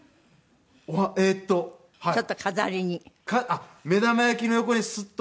あっ目玉焼きの横にスッと。